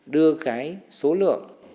đưa cái số lượng